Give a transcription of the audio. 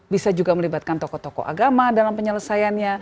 bisa juga melibatkan tokoh tokoh agama dalam penyelesaiannya